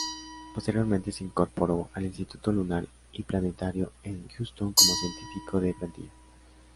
Posteriormente se incorporó al Instituto Lunar y Planetario en Houston como científico de plantilla.